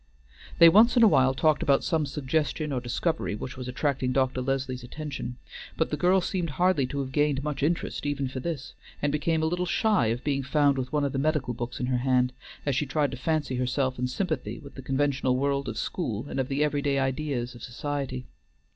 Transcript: They once in a while talked about some suggestion or discovery which was attracting Dr. Leslie's attention, but the girl seemed hardly to have gained much interest even for this, and became a little shy of being found with one of the medical books in her hand, as she tried to fancy herself in sympathy with the conventional world of school and of the every day ideas of society.